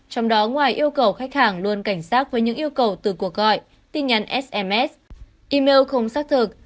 trong đó ngoài yêu cầu khách hàng luôn cảnh sát với những yêu cầu từ cuộc gọi tin nhắn sms email không xác thực